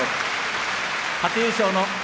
初優勝の霧